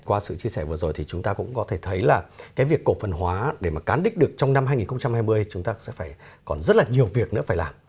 qua sự chia sẻ vừa rồi thì chúng ta cũng có thể thấy là cái việc cổ phần hóa để mà cán đích được trong năm hai nghìn hai mươi chúng ta sẽ phải còn rất là nhiều việc nữa phải làm